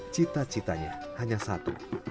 cita citanya hanya satu